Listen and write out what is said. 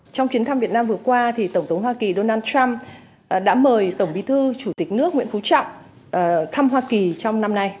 trong chuyến thăm việt nam vừa qua tổng thống hoa kỳ donald trump đã mời tổng bí thư chủ tịch nước nguyễn phú trọng thăm hoa kỳ trong năm nay